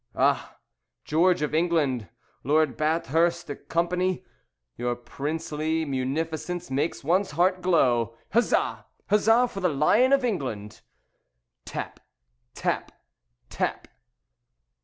Ah! George of England, Lord Bathhurst & Co. Your princely munificence makes one's heart glow. Huzza! Huzza! For the Lion of England! Tap! Tap! Tap!